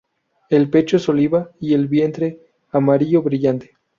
El pecho es oliva y el vientre amarillo brillante.